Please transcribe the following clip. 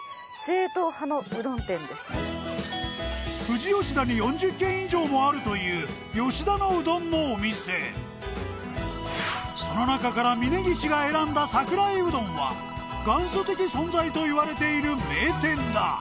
富士吉田に４０軒以上もあるという吉田のうどんのお店その中から峯岸が選んだ桜井うどんは元祖的存在といわれている名店だ